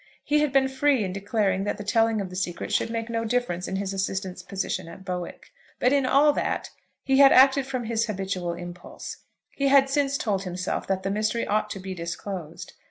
He had been free in declaring that the telling of the secret should make no difference in his assistant's position at Bowick. But in all that, he had acted from his habitual impulse. He had since told himself that the mystery ought to be disclosed.